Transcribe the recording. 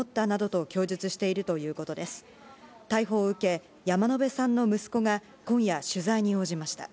逮捕を受け、山野辺さんの息子が今夜、取材に応じました。